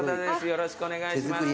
よろしくお願いします。